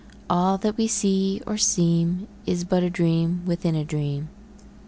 All that we see or seem Is but a dream within a dream.